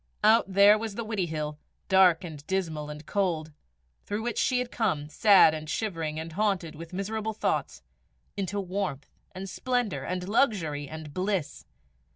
Out there was the Widdiehill, dark and dismal and cold, through which she had come, sad and shivering and haunted with miserable thoughts, into warmth and splendour and luxury and bliss!